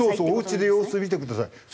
「おうちで様子見てください」。